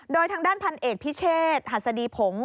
โดยทางด้านพันเอกพิเชษหัสดีผง